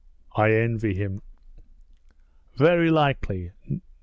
'I envy him!' 'Very likely!'